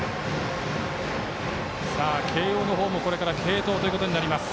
慶応の方も、これから継投ということになります。